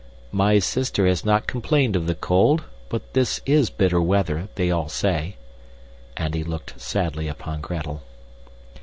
"My sister has not complained of the cold, but this is bitter weather, they all say." And he looked sadly upon Gretel.